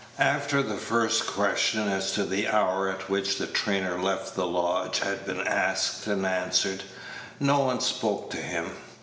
After the first question as to the hour at which the trainer left the lodge had been asked and answered, no one spoke to him.